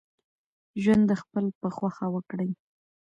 ژوند دخپل په خوښه وکړئ